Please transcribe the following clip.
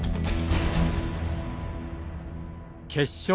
決勝。